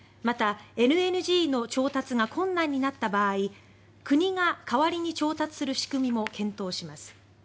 また、ＬＮＧの調達が困難になった場合国が代わりに調達する仕組みも検討します。